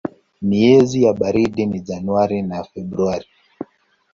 Miezi ya baridi ni Januari na Februari.